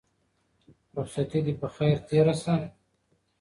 رخصتي دې په خير تېره شه.